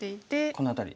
この辺り？